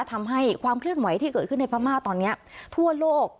ทำให้ความเคลื่อนไหวที่เกิดขึ้นในพม่าตอนนี้ทั่วโลก